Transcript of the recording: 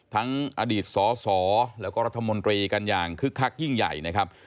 ทั้งอดีตสสแล้วก็รัฐมนตรีกันอย่างคึกคักยิ่งใหญ่นะครับ